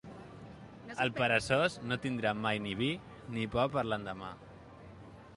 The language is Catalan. El peresós no tindrà mai ni vi ni pa per l'endemà.